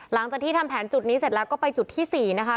หลังจากที่ทำแผนจุดนี้เสร็จแล้วก็ไปจุดที่๔นะคะ